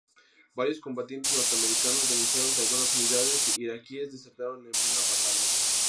Varios combatientes norteamericanos denunciaron que algunas unidades iraquíes desertaron en plena batalla.